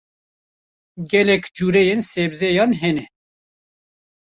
Gelek cureyên sebzeyan hene.